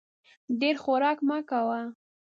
ډېر خوراک مه کوه !